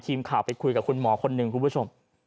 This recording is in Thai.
ทีมข่าวไปคุยกับคุณหมอคนหนึ่งคุณผู้ชม